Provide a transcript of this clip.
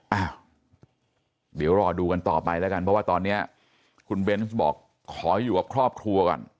อ้าวเดี๋ยวรอดูกันต่อไปแล้วกันเพราะว่าตอนนี้คุณเบนส์บอกขออยู่กับครอบครัวก่อน